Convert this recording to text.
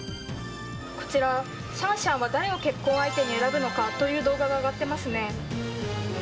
こちら、シャンシャンは誰を結婚相手に選ぶのか？という動画が上がってますね。